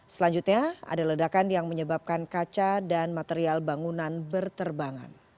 selanjutnya ada ledakan yang menyebabkan kaca dan material bangunan berterbangan